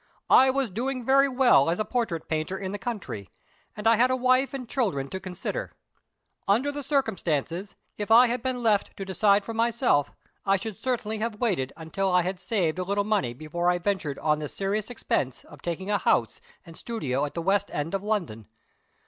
I was doing very well as a portrait painter in the country; and I had a wife and children to consider. Under the circumstances, if I had been left to decide for myself, I should certainly have waited until I had saved a little money before I ventured on the serious expense of taking a house and studio at the west end of London.